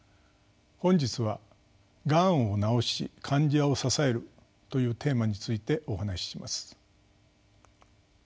本日は「がんを治し患者を支える」というテーマについてお話しします。